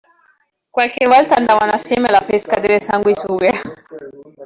Qualche volta andavano assieme alla pesca delle sanguisughe.